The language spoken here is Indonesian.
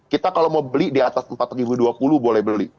kita kalau mau beli di atas rp empat dua puluh boleh beli